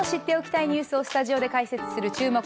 今日最も知っておきたいニュースをスタジオで解説する「注目！